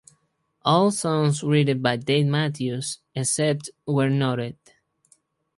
All songs written by Dave Matthews except where noted.